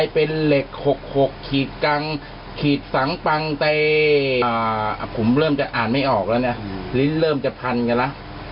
ผมเริ่มจะอ่านไม่ออกแล้วนะลิ้นเริ่มจะพันเนี่ยละ